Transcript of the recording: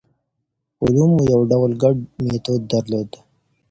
علومو یو ډول ګډ میتود درلود.